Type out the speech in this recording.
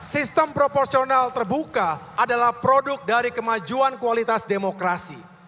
sistem proporsional terbuka adalah produk dari kemajuan kualitas demokrasi